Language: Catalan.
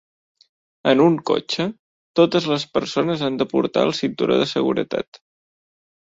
En un cotxe, totes les persones han de portar el cinturó de seguretat.